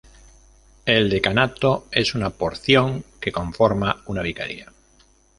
El decanato es una porción que conforma una vicaría.